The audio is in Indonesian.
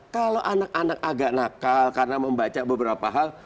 kalau anak anak agak nakal karena membaca beberapa hal